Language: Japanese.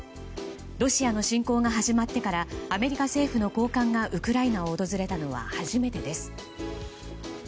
ロシアの侵攻が始まってからアメリカ政府の高官がウクライナを訪れたのは初めてです。